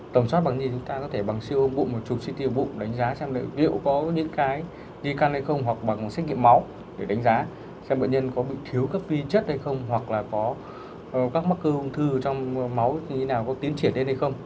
tầm soát bằng gì thì chúng ta có thể bằng siêu hôm bụng một chục siêu hôm bụng đánh giá xem liệu có những cái di căn hay không hoặc bằng xét nghiệm máu để đánh giá xem bệnh nhân có bị thiếu các vi chất hay không hoặc là có các mắc cơ ung thư trong máu như thế nào có tiến triển lên hay không